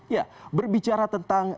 ya berbicara tentang